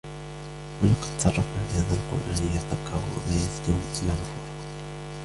وَلَقَدْ صَرَّفْنَا فِي هَذَا الْقُرْآنِ لِيَذَّكَّرُوا وَمَا يَزِيدُهُمْ إِلَّا نُفُورًا